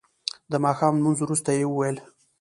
د ماښام لمونځ وروسته یې وویل.